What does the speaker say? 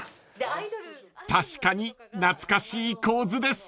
［確かに懐かしい構図です］